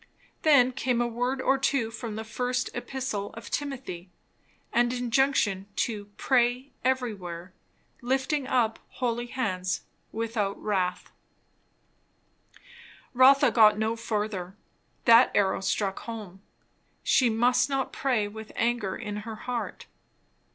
Then came a word or two from the first epistle of Timothy; an injunction to "pray everywhere, lifting up holy hands, without wrath " Rotha got no further. That arrow struck home. She must not pray with anger in her heart.